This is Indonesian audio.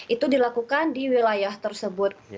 itu dilakukan di wilayah tersebut